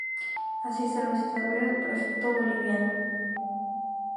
Así se lo hizo saber al Prefecto boliviano.